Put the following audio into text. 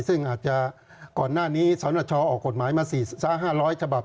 ซึ่งอาจจะก่อนหน้านี้สนชออกกฎหมายมา๔๕๐๐ฉบับ